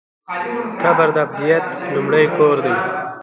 قبر د ابدیت لومړی کور دی